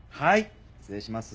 失礼します。